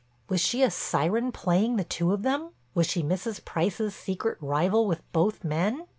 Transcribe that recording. Was she a siren playing the two of them? Was she Mrs. Price's secret rival with both men?